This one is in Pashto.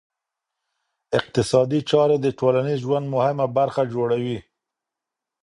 اقتصادي چاري د ټولنیز ژوند مهمه برخه جوړوي.